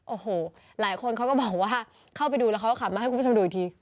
โอ้โหหลายคนเขาก็บอกว่าเข้าไปดูแล้วเขาก็ขับมาให้คุณผู้ชมดูอีกที